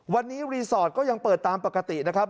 วันนี้รีสอร์ทก็ยังเปิดตามปกตินะครับ